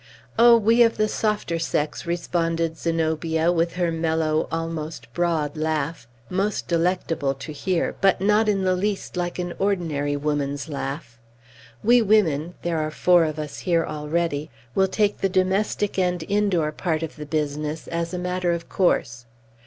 "Oh, we of the softer sex," responded Zenobia, with her mellow, almost broad laugh, most delectable to hear, but not in the least like an ordinary woman's laugh, "we women (there are four of us here already) will take the domestic and indoor part of the business, as a matter of course.